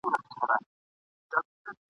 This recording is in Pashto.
بېلوبېلو بادارانوته رسیږي ..